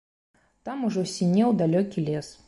Там ужо сінеў далёкі лес.